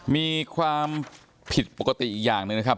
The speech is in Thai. มีความผิดปกติอีกอย่างหนึ่งนะครับ